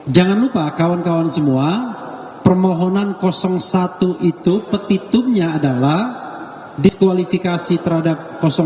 jangan lupa kawan kawan semua permohonan satu itu petitumnya adalah diskualifikasi terhadap dua